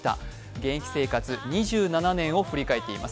現役生活２７年を振り返っています。